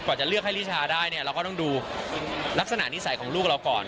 จะเลือกให้ลิชาได้เนี่ยเราก็ต้องดูลักษณะนิสัยของลูกเราก่อน